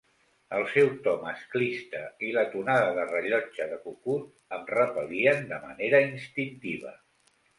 El seu to masclista i la tonada de rellotge de cucut em repel·lien de manera instintiva.